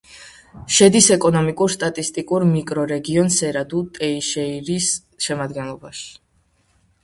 შედის ეკონომიკურ-სტატისტიკურ მიკრორეგიონ სერა-დუ-ტეიშეირის შემადგენლობაში.